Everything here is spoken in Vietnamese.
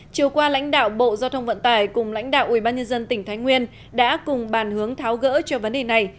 chiều qua lãnh đạo bộ giao thông vận tải cùng lãnh đạo ubnd tỉnh thái nguyên đã cùng bàn hướng tháo gỡ cho vấn đề này